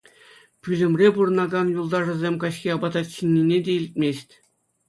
Пӳлӗмре пурӑнакан юлташӗсем каҫхи апата чӗннине те илтмест.